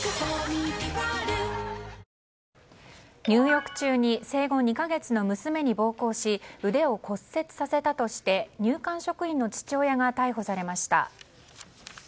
入浴中に生後２か月の娘に暴行し腕を骨折させたとして入管職員の父親が逮捕されました。